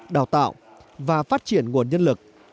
đào tạo và phát triển nguồn nhân lực